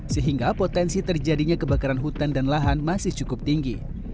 sehingga potensi terjadinya kebakaran hutan dan lahan masih cukup tinggi